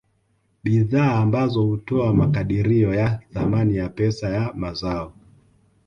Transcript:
Bidhaa ambazo hutoa makadirio ya thamani ya pesa ya mazao